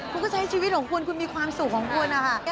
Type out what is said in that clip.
คุณก็ใช้ชีวิตของคุณคุณมีความสุขของคุณนะคะ